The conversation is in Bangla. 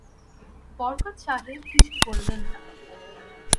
বরকত সাহেব কিছু বললেন না।